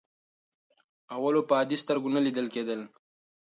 اولو په عادي سترګو نه لیدل کېږي.